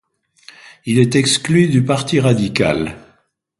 Il est exclu du Parti radical.